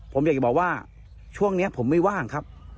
ผมอยากจะบอกว่าช่วงนี้ผมไม่ว่างครับ